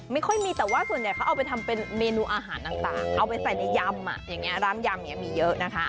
ไม่ค่อยมีแต่ว่าส่วนใหญ่เขาเอาไปทำเป็นเมนูอาหารต่างเอาไปใส่ในยำอย่างนี้ร้านยำอย่างนี้มีเยอะนะคะ